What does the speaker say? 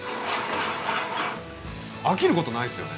飽きることないですよね。